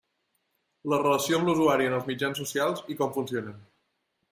La relació amb l'usuari en els mitjans social i com funcionen.